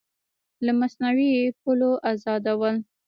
له مصنوعي پولو ازادول